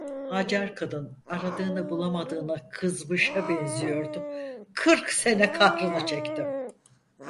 Hacer kadın, aradığını bulamadığına kızmışa benziyordu: "Kırk sene kahrını çektim…"